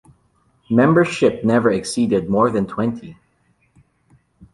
Membership never exceeded more than twenty.